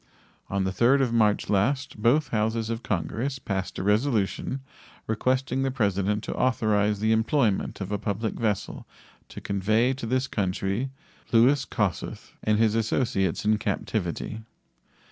On the 3d of March last both Houses of Congress passed a resolution requesting the President to authorize the employment of a public vessel to convey to this country Louis Kossuth and his associates in captivity.